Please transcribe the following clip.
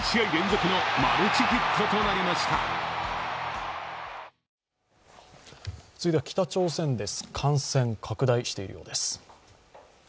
続いては北朝鮮です、感染拡大しているようです。